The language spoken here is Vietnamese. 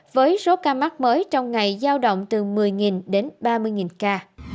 với số ca mắc mới trong ngày giao động từ một mươi đến ba mươi ca